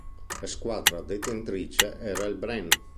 La squadra detentrice era il Brann.